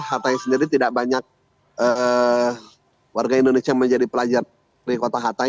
hatai sendiri tidak banyak warga indonesia yang menjadi pelajar di kota hatai